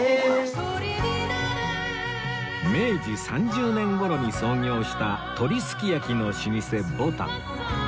明治３０年頃に創業した鳥すきやきの老舗ぼたん